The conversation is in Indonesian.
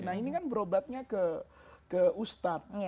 nah ini kan berobatnya ke ustadz